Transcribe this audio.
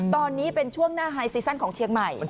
ตอนนี้เป็นช่วงหน้าไฮซีซั่นของเชียงใหม่